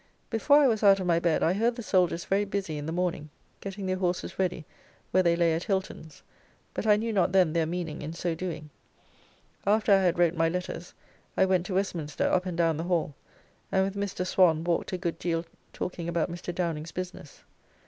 Before I was out of my bed, I heard the soldiers very busy in the morning, getting their horses ready where they lay at Hilton's, but I knew not then their meaning in so doing: After I had wrote my letters I went to Westminster up and down the Hall, and with Mr. Swan walked a good [deal] talking about Mr. Downing's business.